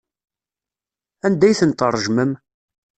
Anda ay tent-tṛejmem?